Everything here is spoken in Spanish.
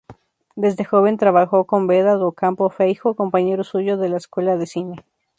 Desde joven trabajó con Beda Docampo Feijóo, compañero suyo de la escuela de cine.